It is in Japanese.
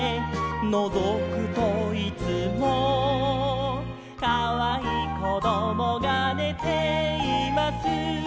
「のぞくといつも」「かわいいこどもがねています」